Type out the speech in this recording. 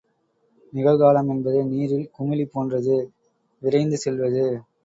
நிகழ்காலம் என்பது நீரில் குமிழி போன்றது விரைந்து செல்வது.